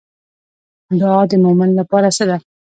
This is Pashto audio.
دعا د مومن لپاره څه ده؟